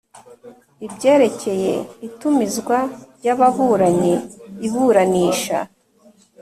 Ibyerekeye itumizwa ry ababuranyi iburanisha